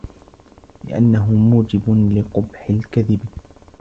لِأَنَّهُ مُوجِبٌ لِقُبْحِ الْكَذِبِ